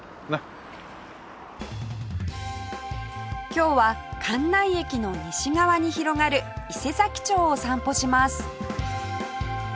今日は関内駅の西側に広がる伊勢佐木町を散歩します